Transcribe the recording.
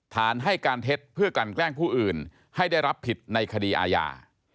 ให้การเท็จเพื่อกันแกล้งผู้อื่นให้ได้รับผิดในคดีอาญา